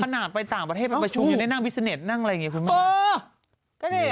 ขนาดไปต่างประเทศไปประชุมยังได้นั่งวิสเน็ตนั่งอะไรอย่างนี้คุณแม่